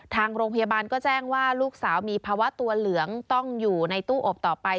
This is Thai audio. ทางโรงพยาบาลก็แจ้งว่าลูกสาวมีภาวะตัวเหลืองต้องอยู่ในตู้อบต่อไป